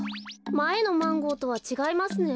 まえのマンゴーとはちがいますね。